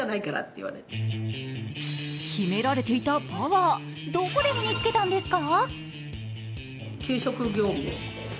秘められていたパワーどこで身に付けたんですか？